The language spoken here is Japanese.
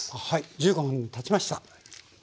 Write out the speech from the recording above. １５分たちました。